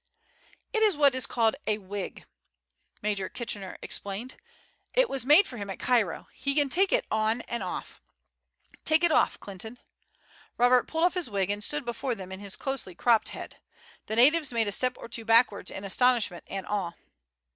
"It is what is called a wig," Major Kitchener explained. "It was made for him at Cairo; he can take it off and on. Take it off, Clinton." Rupert pulled off his wig and stood before them in his closely cropped head. The natives made a step or two backwards in astonishment and awe.